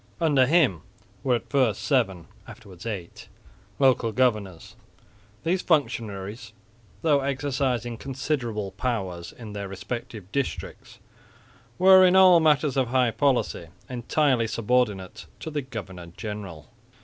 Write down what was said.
Under him were at first seven (afterwards eight) local governors. These functionaries, though exercising considerable powers in their respective districts, were in all matters of high policy entirely subordinate to the governor general.